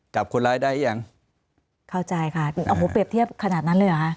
จับคนร้ายได้ยังเข้าใจค่ะโอ้โหเปรียบเทียบขนาดนั้นเลยเหรอคะ